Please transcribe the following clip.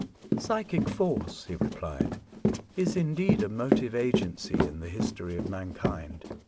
"Psychic force," he replied, "is indeed a motive agency in the history of mankind.